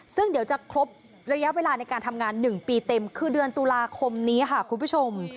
ซึ่งเดี๋ยวจะครบระยะเวลาในการทำงาน๑ปีเต็มคือเดือนตุลาคมนี้ค่ะคุณผู้ชม